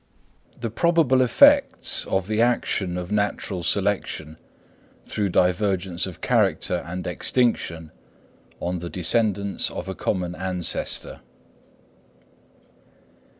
_The Probable Effects of the Action of Natural Selection through Divergence of Character and Extinction, on the Descendants of a Common Ancestor.